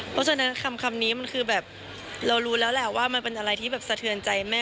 เพราะฉะนั้นคำนี้มันคือแบบเรารู้แล้วแหละว่ามันเป็นอะไรที่แบบสะเทือนใจแม่